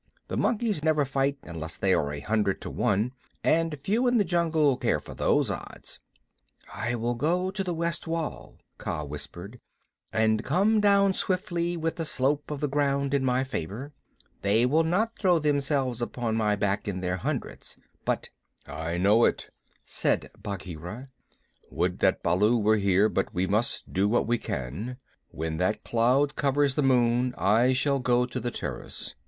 The monkeys never fight unless they are a hundred to one, and few in the jungle care for those odds. "I will go to the west wall," Kaa whispered, "and come down swiftly with the slope of the ground in my favor. They will not throw themselves upon my back in their hundreds, but " "I know it," said Bagheera. "Would that Baloo were here, but we must do what we can. When that cloud covers the moon I shall go to the terrace.